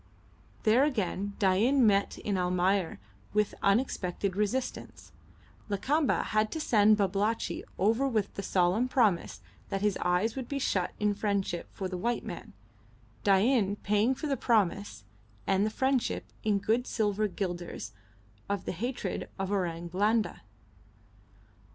There again Dain met in Almayer with unexpected resistance; Lakamba had to send Babalatchi over with the solemn promise that his eyes would be shut in friendship for the white man, Dain paying for the promise and the friendship in good silver guilders of the hated Orang Blanda.